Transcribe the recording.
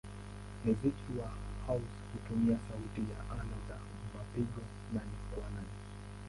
Muziki wa house hutumia sauti ya ala za mapigo nane-kwa-nane.